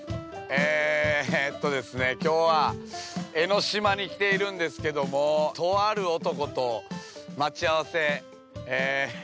ええっとですね、きょうは江の島に来ているんですけどもとある男と待ち合わせ。